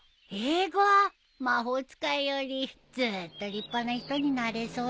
魔法使いよりずーっと立派な人になれそうだね。